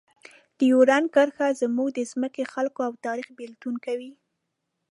ډیورنډ کرښه زموږ د ځمکې، خلکو او تاریخ بېلتون کوي.